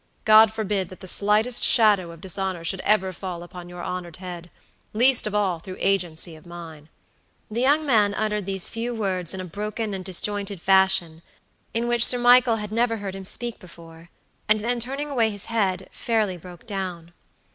God forbid that the slightest shadow of dishonor should ever fall upon your honored headleast of all through agency of mine." The young man uttered these few words in a broken and disjointed fashion in which Sir Michael had never heard him speak, before, and then turning away his head, fairly broke down.